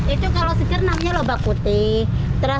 itu kalau seger namanya lobak putih